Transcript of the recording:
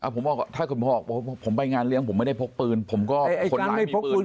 ผมพอถ้าถ้าคุณพีทบอกผมไปงานเลี้ยงผมไม่ได้พ็กปืน